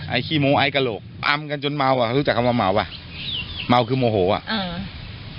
ขี้มูไอ้กระโหลกอำกันจนเมาอ่ะรู้จักคำว่าเมาอ่ะเมาคือโมโหอ่ะอ่า